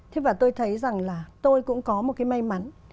thế và tôi thấy rằng là tôi cũng có một cái may mắn